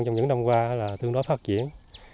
trong những năm qua là tương đối phát triển